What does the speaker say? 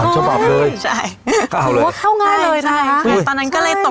๓ฉบับเลย